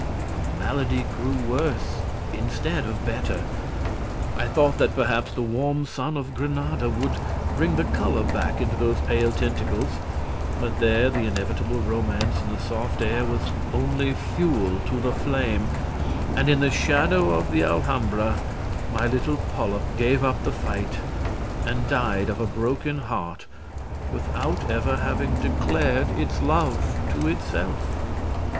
The malady grew worse, instead of better. I thought that perhaps the warm sun of Granada would bring the color back into those pale tentacles, but there the inevitable romance in the soft air was only fuel to the flame, and, in the shadow of the Alhambra, my little polyp gave up the fight and died of a broken heart without ever having declared its love to itself.